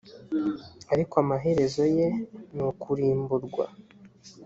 ariko amaherezo ye ni ukurimburwa.